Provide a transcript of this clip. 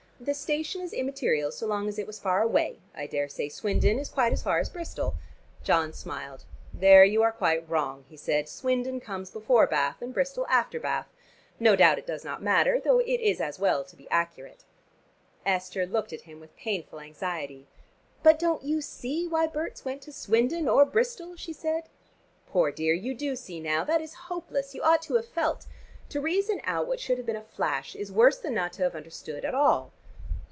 "The station is immaterial, so long as it was far away. I daresay Swindon is quite as far as Bristol." John smiled. "There you are quite wrong," he said. "Swindon comes before Bath, and Bristol after Bath. No doubt it does not matter, though it is as well to be accurate." Esther looked at him with painful anxiety. "But don't you see why Berts went to Swindon or Bristol?" she said. "Poor dear, you do see now. That is hopeless. You ought to have felt. To reason out what should have been a flash, is worse than not to have understood at all."